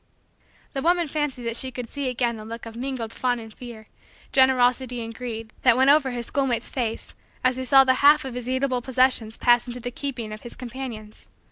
The woman fancied that she could see again the look of mingled fun and fear, generosity and greed, that went over her schoolmate's face as he saw the half of his eatable possessions pass into the keeping of his companions.